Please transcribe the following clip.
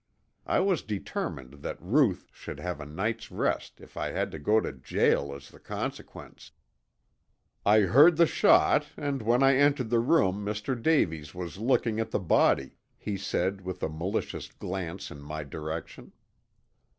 I was determined that Ruth should have a night's rest if I had to go to jail as the consequence. "I heard the shot and when I entered the room Mr. Davies was looking at the body," he said with a malicious glance in my direction.